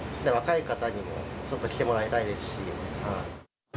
若い方にもちょっと来てもらいたいですし。